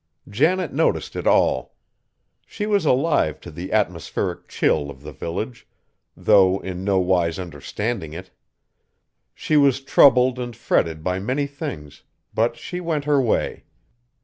Janet noticed it all. She was alive to the atmospheric chill of the village, though in no wise understanding it. She was troubled and fretted by many things, but she went her way.